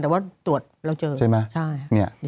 แต่ว่าตรวจแล้วเจอใช่ไหม